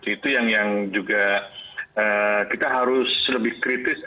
itu yang juga kita harus lebih kritis